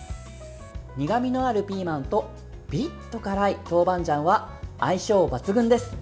苦みのあるピーマンとピリッと辛い豆板醤は相性抜群です。